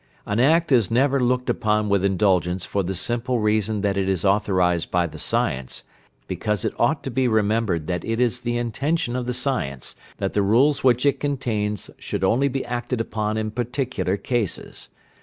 "An act is never looked upon with indulgence for the simple reason that it is authorised by the science, because it ought to be remembered that it is the intention of the science, that the rules which it contains should only be acted upon in particular cases.